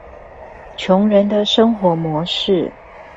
窮人的生活模式